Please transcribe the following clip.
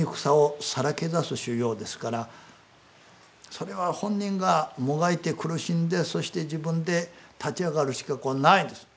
それは本人がもがいて苦しんでそして自分で立ち上がるしかないんです。